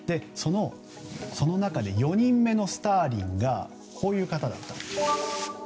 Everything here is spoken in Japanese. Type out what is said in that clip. その中で４人目のスターリンがこういう方だったんです。